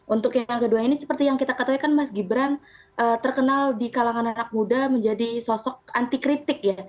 untuk yang kedua ini seperti yang kita ketahui kan mas gibran terkenal di kalangan anak muda menjadi sosok anti kritik ya